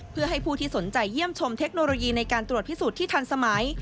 เพื่อให้ผู้ที่สนใจเยี่ยมชมเทคโนโลยีในการตรวจพิสูจน์ที่ทันสมัย